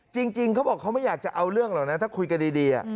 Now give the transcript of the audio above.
จริงเขาบอกเขาไม่อยากจะเอาเรื่องหรอกนะถ้าคุยกันดี